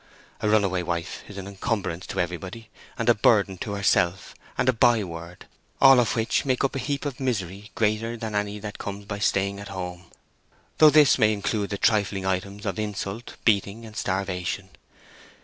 A runaway wife is an encumbrance to everybody, a burden to herself and a byword—all of which make up a heap of misery greater than any that comes by staying at home—though this may include the trifling items of insult, beating, and starvation.